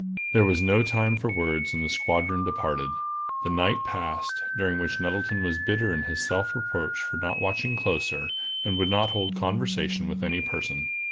There was no time for words, and the squadron departed. The night passed, during which Nettleton was bitter in his self reproach for not watching closer, and would not hold conversation with any person.